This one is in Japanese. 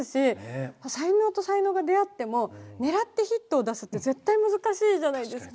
才能と才能が出会ってもねらってヒットを出すって絶対難しいじゃないですか。